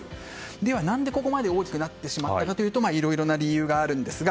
では何でここまで大きくなってしまったのかというといろいろな理由があるんですが。